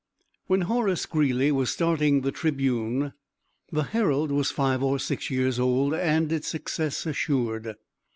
When Horace Greeley was starting the Tribune the Herald was five or six years old, and its success assured.